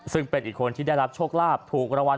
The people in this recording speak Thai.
ซึ่งเป็นอีกคนที่ได้รับโชคลาภ